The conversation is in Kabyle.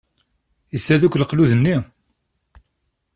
Yessared akk leqlud-nni?